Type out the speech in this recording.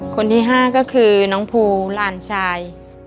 คนที่๕ก็คือน้องภูหลานชาย